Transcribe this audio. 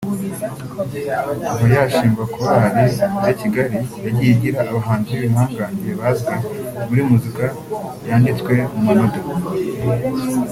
Kuva yashingwa Chorale de Kigali yagiye igira abahanzi b’ibihangange bazwi muri muzika yanditswe mu manota